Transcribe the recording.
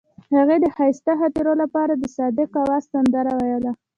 هغې د ښایسته خاطرو لپاره د صادق اواز سندره ویله.